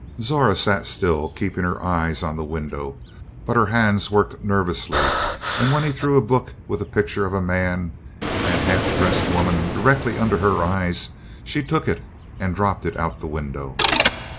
Zora sat still, keeping her eyes on the window; but her hands worked nervously, and when he threw a book with a picture of a man and half dressed woman directly under her eyes, she took it and dropped it out the window.